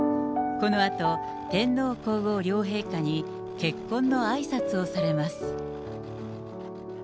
このあと、天皇皇后両陛下に結婚のあいさつをされます。